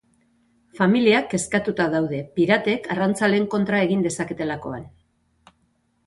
Familiak kezkatuta daude, piratek arrantzaleen kontra egin dezaketelakoan.